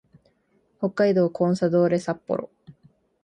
北海道コンサドーレ札幌